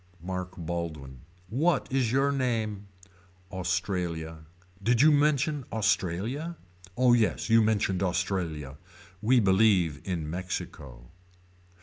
Mark Baldwin. What is your name. Australia. Did you mention Australia. Oh yes you mentioned Australia. We believe in Mexico.